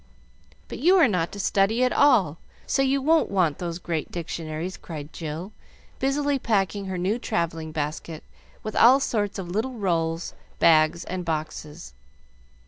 "But you are not to study at all, so you won't want those great dictionaries," cried Jill, busily packing her new travelling basket with all sorts of little rolls, bags, and boxes.